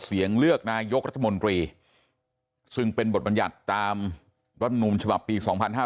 เสียงเลือกนายกรัฐมนตรีซึ่งเป็นบทบรรยัติตามวัดนุมฉบับปี